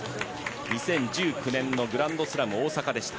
２０１９年のグランドスラム大坂でした。